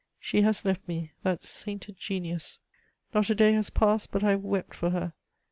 She has left me, that sainted genius. Not a day has passed but I have wept for her.